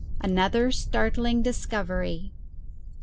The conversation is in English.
ANOTHER STARTLING DISCOVERY.